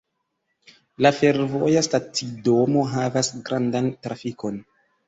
La fervoja stacidomo havas grandan trafikon.